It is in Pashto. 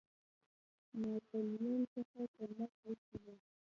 ناپولیون څخه کومک غوښتی وو.